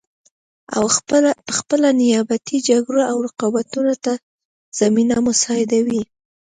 او پخپله نیابتي جګړو او رقابتونو ته زمینه مساعدوي